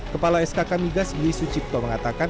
kepala sk kamigas iwi sucipto mengatakan